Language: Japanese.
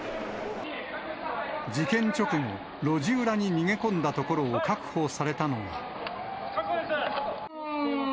事件直後、路地裏に逃げ込んだところを確保されたのが。